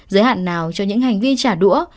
giới hạn nào cho những hành vi trả đũa